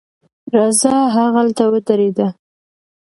راځه هغلته ودرېږه.